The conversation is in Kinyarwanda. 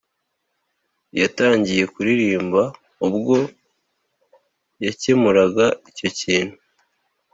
yatangiye kuririmba ubwo yakemuraga icyo kintu